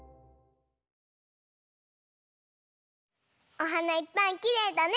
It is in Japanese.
おはないっぱいきれいだね！